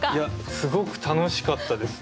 すごく楽しかったですね。